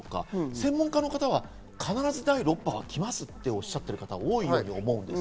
専門家の方は必ず第６波は来ますとおっしゃってる方が多いと思うんです。